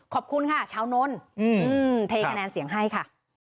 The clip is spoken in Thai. ขอบคุณค่ะชาวนนท์เทคะแนนเสียงให้ค่ะ